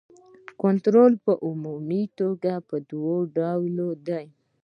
کنټرول په عمومي توګه په دوه ډوله دی.